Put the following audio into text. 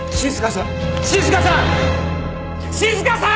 静さん！